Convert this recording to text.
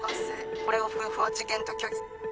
これを夫婦は事件と虚偽。